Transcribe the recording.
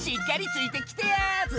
ついてきてや！